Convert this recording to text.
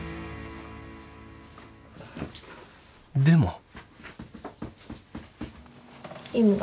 でも。